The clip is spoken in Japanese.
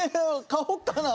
買おっかな。